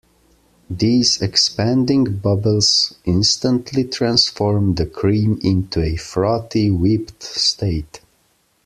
These expanding bubbles instantly transform the cream into a frothy, whipped state.